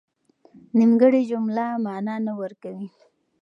نيمګړې جمله مانا نه ورکوي.